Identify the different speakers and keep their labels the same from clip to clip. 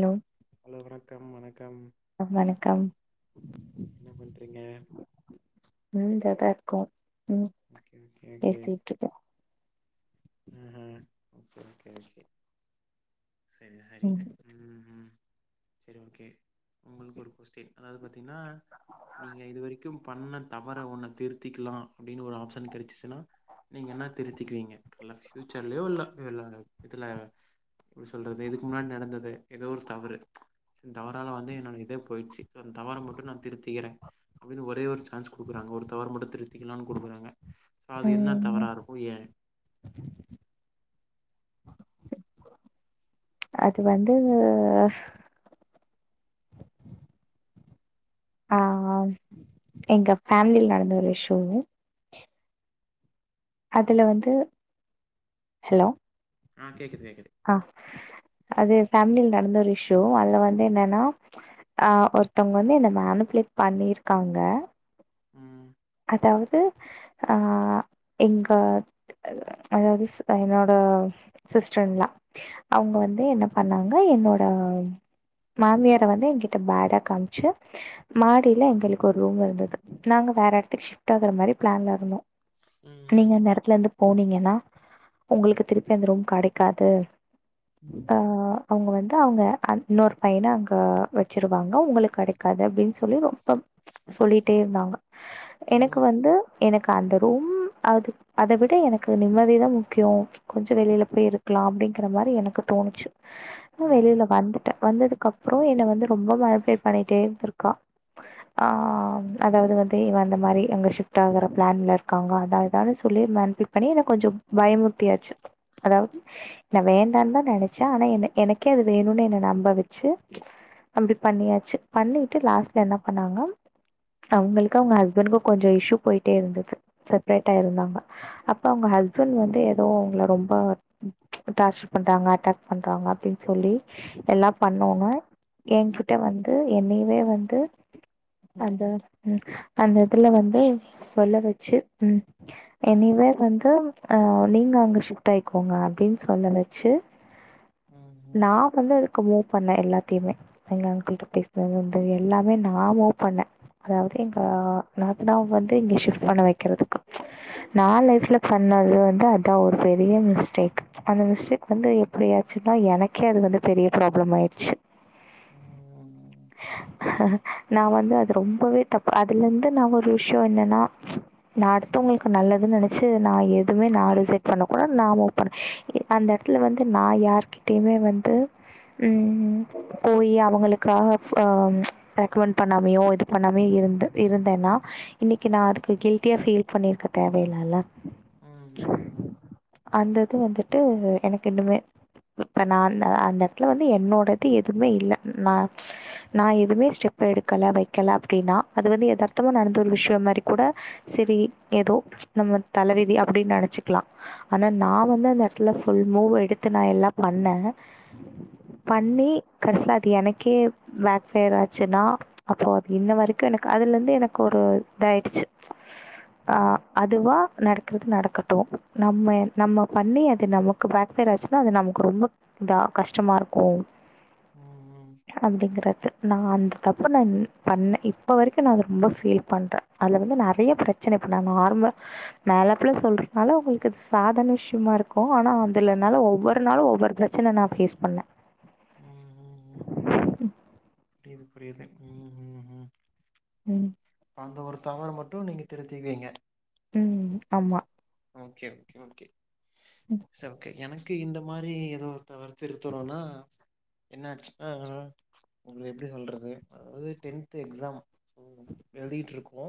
Speaker 1: Hello
Speaker 2: hello வணக்கம் வணக்கம்
Speaker 1: வணக்கம்
Speaker 2: என்ன பண்றீங்க
Speaker 1: ம் தேட்டாருக்கோ ம் பேசிட்டுருக்கோ
Speaker 2: ம்ஹும் ஓகே ஓகே ஓகே சேரி சேரி
Speaker 1: ம்
Speaker 2: ம் ம் சேரி ஓகே உங்களுக்கு ஒரு கொஸ்டீன் அதாவது பாத்தீங்ன்னா நீங்க இது வரைக்கு பண்ண தவர ஒன்ன திருத்திக்கலா அப்டின்னு ஒரு ஆப்ஷன் கெடச்சிச்சுன்னா நீங்க என்னா திருத்திக்குவீங்க நல்ல ப்ஃயூச்சர்லயோ இல்ல இதுல எப்டி சொல்றது இதுக்கு முன்னாடி நடந்தது ஏதோ ஒரு தவறு இந்த தவறால வந்து என்னோட இதே போயிடுச்சு அந்த தவற மட்டு நா திருத்திக்கிற அப்படின்னு ஒரே ஒரு சான்ஸ் குடுக்குறாங்க ஒரு தவற மட்டு திருத்திக்கலாம்னு குடுக்குறாங்க சோ அது என்னா
Speaker 1: ம்
Speaker 2: தவறா இருக்கு ஏ
Speaker 1: அது வந்து ஆ ஆ எங்க ஃபேமிலியில நடந்த ஒரு இஸ்சு அதுல வந்து ஹலோ
Speaker 2: ஆ கேக்குது கேக்குது
Speaker 1: ஆ அது பேமிலில் நடந்த ஒரு விஷ்யோ அதுல வந்து என்னன்னா அ ஒருத்தவங்க வந்து என்ன மேனுப்பிளேட் பண்ணிருக்காங்க
Speaker 2: ம்
Speaker 1: அதாவது ஆ எங்க அதாவது ஸ் என்னோட சிஸ்டர் இன் லா அவுங்க வந்து என்ன பண்ணாங்க என்னோட ஓம் மாமியார வந்து எங்கிட்ட பேடா காமிச்சு மாடியில எங்களுக்கு ஒரு ரூம் இருந்துது நாங்க வேற எட துக் ஷிப்ட் ஆற மாரி பிளான்ல இருந்தோ நீங்க
Speaker 2: ம்
Speaker 1: அந்த எடத்லருந்து போனீங்கன்னா உங்களுக்கு திருப்பி அந்த ரூம் கெடைக்காது
Speaker 2: ம்
Speaker 1: ஆ அவங்க வந்து அவங்க இன்னொரு பையன அங்க வச்சிருவாங்க உங்களுக்கு கெடைக்காது அப்படின் சொல்லி ரொம்ப சொல்லிட்டே இருந்தாங்க எனக்கு
Speaker 2: ம்
Speaker 1: வந்து எனக்கு அந்த ரூம் அது அத விட எனக்கு நிம்மதிதா முக்கியோ கொஞ்சோ வெளில போய் இருக்லா அப்படிங்கற மாரி எனக்கு தோணுச்சு நா
Speaker 2: ம்
Speaker 1: வெளில வந்துட்டே வந்ததுக்கப்றோ என்ன வந்து ரொம்ப மெனுப்லேட் பண்ணிட்டே இருந்திருக்கா ஆம் அதாவது வந்து இவன் இந்த மாரி அங்க ஷிஃப்ட் ஆகற பிளான்ல இருக்காங்க அத இதானு சொல்லி மெனுப்லெட் பண்ணி என்ன கொஞ்ச பயமுர்தியாச்சு அதாவது என்ன வேண்டானுதா நெனச்சே ஆனா என்ன எனக்கே அது வேணும்னு என்ன நம்ப வச்சு அப்படி பண்ணியாச்சு பண்ணிட்டு லாஸ்ட்ல என்ன பண்ணாங்கனா அவங்களுக்கு அவங்க
Speaker 2: ம்
Speaker 1: ஹஸ் கு கொஞ்சோ இஷூ போயிட்டே இருந்தது செப்ரேட்டா இருந்தாங்க அப்ப அவங்க ஹஸ்பண்ட் வந்து ஏதோ உங்ல ரொம்ப டார்ச்சர் பண்றாங்க அட்டாக் பண்றாங்க அப்டின் சொல்லி எல்லா பண்ணோன்ன ஏங்கிட்ட வந்து என்னயவே வந்து அந்த ம் அந்த இதுல வந்து சொல்ல வச்சு ம் எனியவே வந்து நீ ங்க அங்க ஷிப்ட் ஆய்க்கோங்க அப்படின் சொல்ல வச்சு
Speaker 2: ம்
Speaker 1: நா வந்து அதுக்கு மூவ் பண்ண எல்லாத்தியுமே எங்க அங்கில்ட பேசனது வந்து எல்லாமே நா மூவ் பண்ணே அதாவது எங் ஆ
Speaker 2: ம் ம்
Speaker 1: நாத்னாவ வந்து இங்க ஷிஃப்ட் பண்ண வைக்கிறதுக்கு நான் லைஃப்ல பண்ணது வந்து அதா ஒரு பெரிய மிஸ்டேக் அந்த மிஸ் டேக் வந்து எப்டி ஆச்சுன்னா எனக்கே அது வந்து பெரிய ப்ராப்ளமாயிடுச்சு நா வந்து அது ரொம்பவே தப் பு அதுலருந்து நா ஒரு விஷீயோ என்னன்னா நா அடுத்தவங்களுக்கு நல்லதுன் நெனச்சு நா எதுமே அப்டி செட் பண்ணக்கூடா நா மூவ் பண் அந்த எடத்துல வந்து நா யார்கிட்டயுமே வந்து ம் போய் அவங்களுக்காக ஆ ரெக்கமெண்ட் பண்ணாமயோ இது பண்ணாமயோ இருந் இருந்தேன்னா இன்னிக்கி நா அதுக்கு கில்டியா பீல் பண்ணிருக்க தேவயில்லல அந்தது வந்துட்டு எனக்கு இன்னமே இப்ப நான் அந்த எடத்ல வந்து என்னோடது எதுமே இல்ல நா எதுமே ஸ்டெப் எடுக்கல வைக்கல அப்டின்னா அது வந்து எதார்த்தமா நடந்த ஒரு விஷயம் மாரி கூட செரி எதோ நம்ம தலவிதி அப்படின் நெனச் ச்சுக்கலா ஆனா நா வந்து அந்த எடத்ல ப்ஃல் மூவ் எடுத்து நா எல்லா பண்ணே பண்ணி கடைசில அது எனக்கே பேக் பஃயர் ஆச்சுன்னா அப்ரோ இன்ன வரைக் கு எனக்கு அதுலருந்து எனக்கு ஒரு இதாயிடுச்சு ஆ அதுவா நடக்றது நடக்கட்டு நம்ம நம்ம பண்ணி அது நமக்கு பேக்பயர் ஆச்சுன்னா அது நமுல்க்கு ரொம்ப இந்தா கஷ்டமா இருக்கோ அப்டிங்கறது நா அந்த தப்பு நா பண்ண இப் இப்ப வரைக்கு நா அது ரொம்ப ஃபீல் பண்ற அதுல வந்து நெறைய பிரச்சன இப்போ நா நார்மல் மேலாப்புல சொல்ற னால உங்களுக்கு சதாரண விஷ்யமா இருக்கு ஆனா அதுல என்னால ஒவ்வொரு நாளு ஒவ்வொரு பிரச்சன நா ஃபேஸ் பண்ண
Speaker 2: புரியுது புரியுது ம் ம் ம்
Speaker 1: ம்
Speaker 2: இப்ப அந்த ஒரு தவற மட்டு நீங்க திருத்திக்குவீங்க
Speaker 1: ம் ஆமா
Speaker 2: ஓகே ஓகே ஓகே சேரி ஓகே எனக்கு இந்த மாரி ஏதோ தவறு திருத்துறோனா என்ன ஆச்சுனா உங்களு எப்டி சொல்றது அதாவது டென்த் எக்ஸாம் ம் எழுதிட்ருக்கோ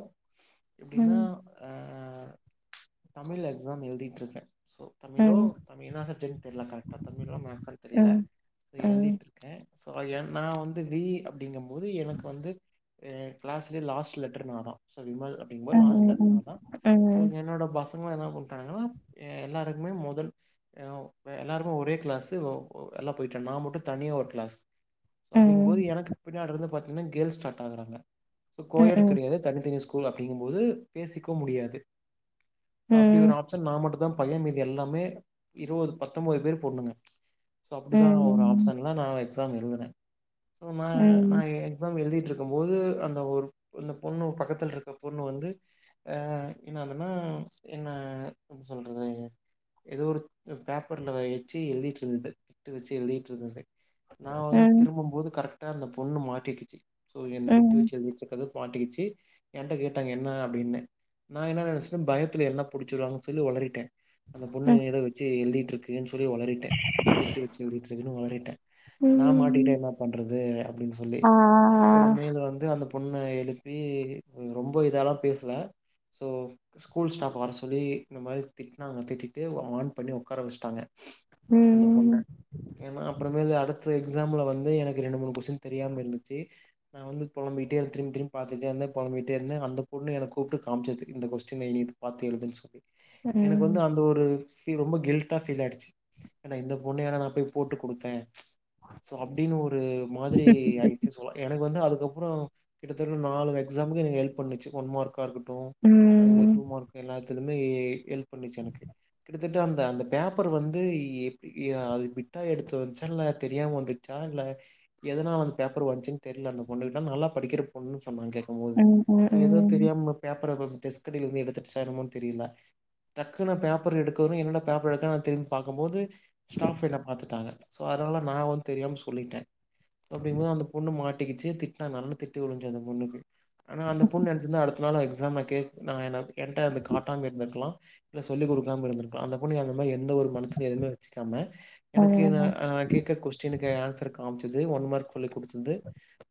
Speaker 2: எப்டின்னா
Speaker 1: ம்,
Speaker 2: ஆ தமிழ் எக்ஸாம் எழுதிட்ருக்க சோ தமிழோ
Speaker 1: ம்,
Speaker 2: தமிழ் ஆஹ டென்த் எல்லா கரெக்டா தமிழோ மேக்ஸா தெரியல
Speaker 1: ம்,
Speaker 2: இப்ப
Speaker 1: ம்,
Speaker 2: எழுதிட்ருக்க சோ ஏ நா வந்து பி இ அப்டிங்கும் போது எனக்கு வந்து ஏ கிளாஸ்லயே லாஸ்ட் லெட்டர் நா தா சோ விமல் அப்டிங்கம்
Speaker 1: ம், ம்,
Speaker 2: போது லாஷ்ட் லெட்டர் நா தா சோ என்னோட பசங்க என்ன பண்ட்டாங்கனா எ ஆ எல்லாருக்குமே மொதல் ஆ எல்லாருமே ஒரே கிளாஸு ஓ எல்லா போயிட்டு நா மட்டு தனியா ஒரு கிளாஸ் சோ அப்டிங்கும்போது எனக்கு பின்னாடி இருந்து பாத்தீங்கனா கேர்ள்ஸ் ஸ்டார்ட் ஆகுறாங்க சோ கோயடு கெடையாது தனித்தனி ஸ்கூ ல் அப்டிங்கும்போது பேசிக்கவு முடியாது சோ அப்டி ஒரு ஆப்ஷன் நா மட்டுந்தா பைய மீது எல்லாமே இருவது பத்தொம்போது பேர் பொண்ணுங்க சோ அப்டிதா ஒரு ஆப்ஷன்லா நா எக்ஸாம் எழுதுனே சோ நா நா எக்ஸாம் எழுதி ட்டு இருக்கும்போது அந்த ஒரு அந்த பொண்ணு பக்கத்துல இருக்க பொண்ணு வந்து ஆ என்னாங்கன்னா ம் என்ன எப்டி சொல்றது ஏதோ ஒரு ஆ பேப்பர்ல வச்சு எழுதிட்ருந்தது பிட்டு வச்சு எழுதிட்ருந்தது நா வந்து திரும்பும் போது கரெக்டா அந்த பொண்ணு மாட்டிக்கிச்சு சோ ஏ பிட்டு வச்சு எழுதிட்ருக்கறத மாட்டிக்கிச்சு என்ட்ட கேட்டாங்க என்ன அப்டின்னு நா என்ன நெனச்சிட்ட பயத்துல என்ன புடிச்சிருவாங்கன்னு சொல்லி ஒலரிட்டே அந்த பொண்ணு ஏதோ வச்சு எழுதிட்ருக்குன்னு சொல்லி ஒலரிட்டே பிட்டு வச்சு எழுதிட்டு இருக்குன்னு ஒலரிட்டே நா மாட்டிக்கிட்டா என்ன பண்றது அப்டின்னு சொல்லி அப்புறமேலு வந்து அந்த பொண்ண எழுப்பி ரொம்ப இதால்லா பேசல ஸோ ஸ்கூல் ஸ்டாஃப வர சொல்லி இந்த மாரி திட்னாங்க திட்டிட்டு வார்ன் பண்ணி உக்கார வச்சுட்டாங்க அந்த பொண்ண ஏன்னா அப்புறமேலு அடுத்த எக்ஸாம்ல வந்து எனக்கு ரெண்டு மூணு கொஸ்ஸின் தெரியாம இருந்துச்சு நா வந்து பொலம்பிட்டே திரும்பி திரும்பி பாத்துட்டே இருந்த பொலம்பிட்டே இருந்த அந்த பொண்ணு என்ன கூப்ட்டு காமிச்சது இந்த கொஸ்டினு நீ இத பாத்து எழுதுன்னு சொல்லி எனக்கு வந்து அந்த ஒரு ஃபீ ரொம்ப கில்டா ஃபீல் ஆயிடுச்சு ஏன்டா இந்த பொண்ணயாடா நா போய் போட்டு குடுத்த சோ அப்டின்னு ஒரு மாதிரி ஆயிடுச்சு சோ எனக்கு வந்து அது அதுக்கப்றோ கிட்டத்தட்ட நாலு எக்ஸாம்க்கு எனக்கு ஹெல்ப் பண்ணுச்சு ஒன் மார்க்கா இருக் கட்டு அது டூ
Speaker 1: ம்,
Speaker 2: மார்க் எல்லாத் திலுமே ஹெல்ப் பண்ணிச்சு எனக்கு கிட்டத்தட்ட அந்த அந்த பேப்பர் வந்து எப் ஆ அது பி பிட்டா எடுத்து வந்துச்சா இல்ல தெரியாம வந்துச்சா இல்ல எதனால அந்த பேப்பர் வந்துச்சுன்னு தெரியல அந்த பொண்ணுக்கிட்ட நல்லா படிக்கிற பொண்ணு ஆமா கேக்கம் போது
Speaker 1: ம், ம்,
Speaker 2: சோ ஏதோ
Speaker 1: ம்.
Speaker 2: தெரியாம பேப்பர டெஸ்க் அடில இருந்து எடுத்துடுச்சா என்னமோ தெரியில டக்குனு பேப்பர் எடுக்கவு என்னடா பேப்பர் எடுக்கறா நா திரும்பி பாக்கும்போது ஸ்டாஃப் என்ன பாத்துட்டாங்க சோ அதனால நா வந்து தெரியாம சொல்லிட்டே அப்டிம்போது அந்த பொண்ணு மாட் டிக்கிச்சு திட்னாங் நல்லா திட்டு உழுந்துச்சு அந்த பொண்ணுக்கு ஆனா அந்த பொண்ணு நெனச்சுருந்தா அடுத்த நாள் எக்ஸ் ஸாம கேக் நா என்ன என்ட்ட அந்த காட்டாம இருந்துருக்கலா இல்ல சொல்லி குடுக்காம இருந்துருக்கலா அந்த பொண்ணு அந்த மாரி எந்த ஒரு மனசுல எதுவுமே வச்சுக்காம எனக்கு நா
Speaker 1: அவ்ளோதான்.
Speaker 2: ஆ கேக கொஸ்டினுக்கு ஆன்சர் காமிச்சது ஒன் மார்க் சொல்லி குடுத்தது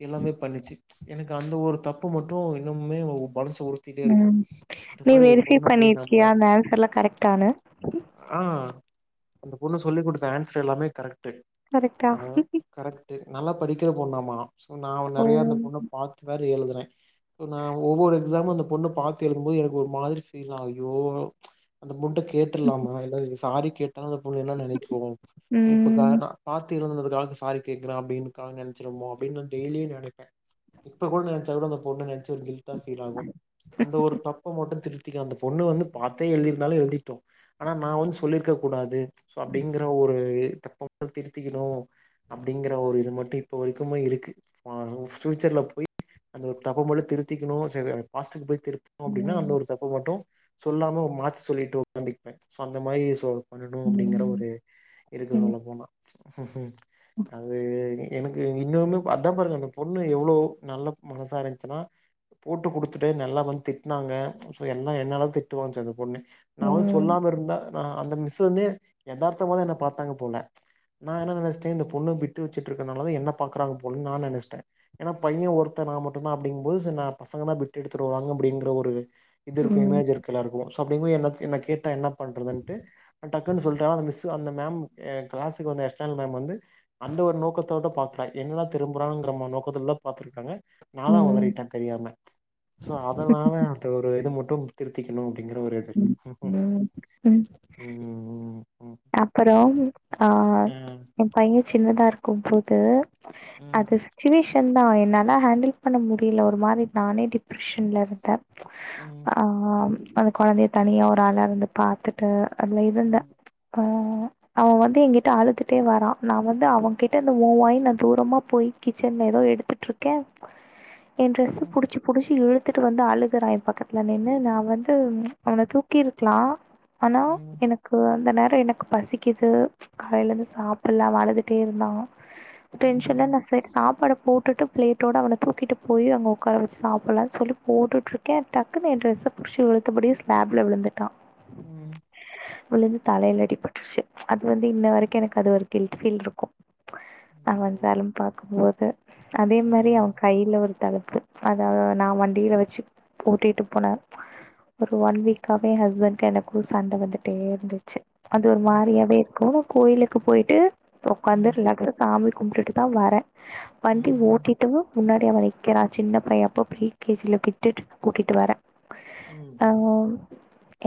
Speaker 2: எல்லாமே பண்ணிச்சு எனக்கு அந்த ஒரு தப்பு மட்டு இன்னுமுமே மனசு உருத்திட்டே இருக்கு
Speaker 1: ம்.
Speaker 2: இந்த மாரி ஒரு பொண்ண போய் நாம
Speaker 1: கரெக்டான
Speaker 2: அந்த பொண்ணு சொல்லி குடுத்த ஆன்சர் எல்லாமே கரெக்ட்
Speaker 1: கரெக்ட்டா
Speaker 2: கரெக்ட்டு நல்லா படிக்கிற பொண்ணாமா சோ நா
Speaker 1: ஓ!
Speaker 2: நெறைய அந்த பொண்ண பாத்து வேற எழுதுறே சோ நா ஒவ்வொரு எக்ஸாம் அந்த பொண்ணை பாத்து எழுதும்போது எனக்கு ஒரு மாரி ஃபீல் ஆகி ஐயோ அந்த முட்டைக்கு கேட்ருலாமா இல்ல சாரி கேட்டா அந்த பொண்ணு என்ன நெனைக்கு இப்ப
Speaker 1: ம்,
Speaker 2: வேணா பாத் திருந்ததற்காக சாரி கேக்கறா அப்டினு காகா நெனச்சிரோமோ அப்படினு டெய்லி நெனப்பே இப்ப கூட நெனச்ச கூட அந்த பொண்ண நெனச்சு கில்டா பீல் ஆகு அந்த ஒரு தப்ப மட்டு திருத் திகலா அந்த பொண்ணு வந்து பாத்தே எழுதியிருந்தாலு எழுதிட்டோ ஆனா நா வந்து சொல்லிருக்க கூடாது சோ அப்டிங்கற ஒரு தப்ப மட்டு திருத்திக்கணு அப்டிங்கற ஒரு இது மட்டு இப்ப வரைக்குமே இருக்கு அ ஃபியூச்சர்ல போய் அந்த ஒரு தப்ப மட்டு திருத்திக்கணு செய்வே பாஸ்ட்க்கு போய் திருத்தனு அப்படின்னா அந்த
Speaker 1: ம்,
Speaker 2: ஒரு தப்ப மட்டு சொல்லாம மாத்தி சொல்லிட்டு உக்காந்துப்பே சோ அந்த மாரி பண்ணணு அப்படிங்கற
Speaker 1: ம்,
Speaker 2: ஒரு இருக்குது
Speaker 1: ம்,
Speaker 2: உள்ள போனா அது எனக்கு இன்னுமே அதா பாருங்க அந்த பொண்ணு எவ்வளவு நல்ல மனசா இருந்துச்சுன்னா போட்டு குடுத்துட்டு நல்லா வந்து திட்டனாங்க சோ எல்லா என்னால திட்டுவாங்ச்சு அந்த பொண்ணு நா வந்து
Speaker 1: ம்,
Speaker 2: சொல்லாம இருந்தா நா அந்த மிஸ்சு வந்து எதார்த்தமா தா என்ன பாத்தாங்க போல நா என்ன நெனச்சிட்டே இந்த பொன்னு பிட்டு வச்சுட்டு இருக்கனாலதா என்ன பக்கறாங்க போலா நா நெனச்சிட்டேன் என பைய ஒருத்த நா மட்டுந்தா அப்படிங்கும் போது நா பசங்க தா பிட்டு எடுத்து வருவாங்க அப்படிங்கிற ஒரு இது இருக்கு
Speaker 1: ம்,
Speaker 2: இமேஜ் இருக்குல சோ அப்படிங்கு போது என்ன கேட்ட என்ன பண்றதுண்டு டக்னு சொல்றா அந்த மிஸ்சு அந்த மேம் கிளாஸ்க்கு வந்த எக்ஸ்டெர்னல் மேம் வந்து அந்த ஒரு நோக்கத்தோட பாக்கல எங்கல்ல திரும்புறான்ங்கிற நோக்கத்தல தா பாத்துருப்பேன்னு நாதா
Speaker 1: ம்.
Speaker 2: ஒளறிட்டே தெரியாம சோ அதனால அது ஒரு இது மட்டு திருத்திக்கணு அப்படிங்கற ஒரு இது
Speaker 1: ம்
Speaker 2: ம் ம்,
Speaker 1: அப்பற
Speaker 2: ம்,
Speaker 1: ஆ
Speaker 2: ம்,
Speaker 1: ஏ பைய சின்னதா இருக்கும்போது
Speaker 2: ம்,
Speaker 1: அது சுச்சுவேஷன் தா என்னா நா ஹேண்டில் பண்ண முடியல ஒரு மாரி நானே டிப்ரெஷன்ல இருந்தே
Speaker 2: ம்,
Speaker 1: ஆம் அந்த கொழந்தய தனியா ஒரு ஆளா இருந்து பாத்துட்டு அதுல இருந்தே அவ வந்து எங்கிட்ட அழுதுட்டே வரா நா வந்து அவன் கிட்ட இருந்து மூவாகி நா தூரமா போய் கிச்சன்ல ஏதோ எடுத்துட்ருக்கே ஏ ட்ரெஸ்சு
Speaker 2: ம்,
Speaker 1: புடிச்சி புடிச்சி இழு த்துட்டு வந்து அழுகறா ஏ பக்கத்துல நின்னு நா வந்து அவன தூக்கிருக்கலா ஆனா
Speaker 2: ம், ம்,
Speaker 1: எனக்கு அந்த நேர அப்ப எனக்கு பசிக்குது காலையிலேருந்து சாப்பலா அவ அழுதுட்டேருந்தா டென்ஷன்ல நா சேத்து சாப்பாட போட்டுட்டு பிளேட்டோடு அவன தூக்கிட்டு போய் அங்க ஒக்கார வச்சு சாப்பலாம்னு சொல்லி போட்டுட்டுருக்கே டக்குனு ஏ ட்ரெஸ் புடிச் இழுத்தபடி ஸ்லாப்ல விழுந்துட்டா
Speaker 2: ம்
Speaker 1: விழுந்து தலையில அடிபட்டுருச்சு அது வந்து இன்ன வரைக்கு எனக்கு அது ஒரு கில்ட் ஃபீல் இருக்கு அ தழும்பு பாக்கும்போது அதே
Speaker 2: ம்,
Speaker 1: மாரி அவ
Speaker 2: ம்,
Speaker 1: கையில ஒரு தழும் அதா நா வண்டியில வச்சு கூட்டிட்டு போனே ஒரு ஒன் வீக்காவே ஏ ஹஸ்பண்ட்கு எனக்கு சண்ட வந்துட்டே இருந்துச்சு அது ஒரு மாரியாவே இருக்கு கோயிலுக்கு போயிட்டு உக்காந்து
Speaker 2: ம்,
Speaker 1: ரிலாக்ஸா சாமி கும்புட்டு தா வாரே வண்டி
Speaker 2: ம்,
Speaker 1: ஓட்ரப்பயு முன்னாடி அவ நிக்கிறா சின்ன பையே அப்போ ப்ரீ கே ஜியில உட்டுட்டு கூட்டிட்டு வரே
Speaker 2: ம் ம்
Speaker 1: ஆ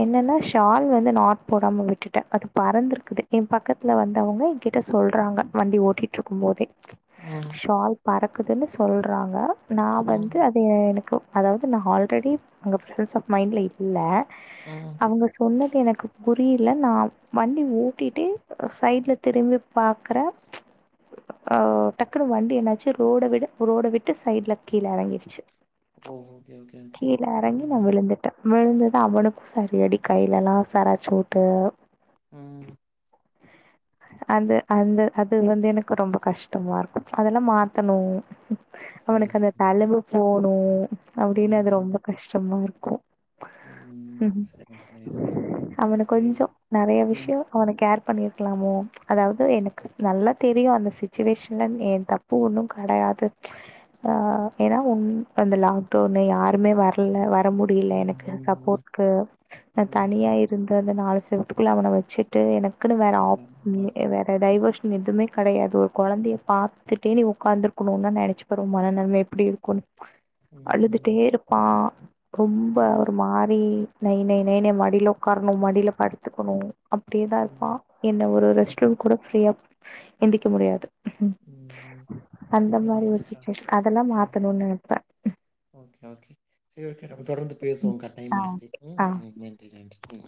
Speaker 1: என்னன்னா ஷால் வந்து நாட் போடாம விட் ட்ட அது பறந்திருக்குது என் பக்கத்துல வந்தவங்க எங் கிட்ட சொல்றாங்க வண்டி ஓட்டிட்டு ருக்கும் போதே ஷால் பறக்குதுன்னு சொல்றாங்க நா வந்து அது எனக்கு அதாவது நா ஆல்ரெடி அங்க ப்ரசாஃப் மைண்டல இல்ல
Speaker 2: ம்.
Speaker 1: அவங்க சொன்னது எனக்கு புரியல நா வண்டி ஒட்டிட்டு சைடு்ல திரும்பி பாக்குற ஆ டக்குனு வண்டி என்னாச்சு ரோட விட ரோட விட்டு சைல்ல கீழ எறங்கிருச்சு
Speaker 2: ஓ ஓகே ஓகே ஓகே
Speaker 1: கீழ எறங்கி
Speaker 2: ம்
Speaker 1: நா
Speaker 2: ம்
Speaker 1: விழுந்துட்டே விழுந்தது அவனுக்கு சரியடி கையிலேலா சராச்சிவுட்டு
Speaker 2: ம்
Speaker 1: அந்த அந்த அது வந்து எனக்கு ரொம்ப கஷ்டமாருக்கு அதெல்லா மாத்தணு
Speaker 2: சரி,
Speaker 1: அவனுக்கு அந்த
Speaker 2: சரி, சரி.
Speaker 1: தலவு போன் அப்டின்னு
Speaker 2: ம்,
Speaker 1: அது
Speaker 2: ம்,
Speaker 1: ரொம்ப கஷ்டமாருக்கு ம் ம்
Speaker 2: சரி, சரி, சரி.
Speaker 1: அவன
Speaker 2: சரி.
Speaker 1: கொஞ்சோ நறைய
Speaker 2: ம்,
Speaker 1: விஷ்யோ அவனுக்கு கேர் பண்ணிருக்கலாமோ அதாவது எனக்கு நல்லா தெரியு அந்த சுச்சுவேஷன்ல என் தப்பு ஒண்ணு கடை அது ஏனா உன் அந்த லாக்டவுன்ல யாருமே வரல வர வர முடியல
Speaker 2: ம்,
Speaker 1: எனக்கு
Speaker 2: ம், ம்,
Speaker 1: சப்போட்க்கு நா
Speaker 2: ம்,
Speaker 1: தனியா
Speaker 2: ம்.
Speaker 1: இருந்ததுனால அதுக்குள்ள அவன வச்சுட்டு எனக்குன்னு வேற ஆப்
Speaker 2: அதாம்மா.
Speaker 1: ம்ன்னே வேற டைவர்ஸ் எதுவுமே கெடையாது ஒரு கொழந்தையே பாத்துட்டே நீ உக்காந்துருக்கணுன்னா நெனச்சிப்பாரு உம் மனநலமையே எப்டி இருக்குன்னு
Speaker 2: ம், ம்,
Speaker 1: அழுதுட்டேருப்பா ரொம்ப
Speaker 2: ம்,
Speaker 1: ஒரு மாறி நைநெய் நைய்ன்னு மடியில உக்காரணு மடியில படுத்துக்கணு அப்டியேதா இருப்பா
Speaker 2: ம்.
Speaker 1: என்ன ஒரு ரெஸ்ட்
Speaker 2: சரி.
Speaker 1: ரூம் கூட ஃப்ரீயா எந்திக்க முடியாது
Speaker 2: ம் ம்
Speaker 1: அந்த மாரி ஒரு
Speaker 2: சரிங்கக்கா.
Speaker 1: சிச்சுவேஷன் அதெல்லா மாத்தணுன் நெனப்ப
Speaker 2: சேரி ஓகே நம்ம தொடர்ந்து பேசுவோம் கட்டயோமார்ச்சு
Speaker 1: ஓகே ஆ
Speaker 2: ம்ஹும் நன்றி நன்றி ம்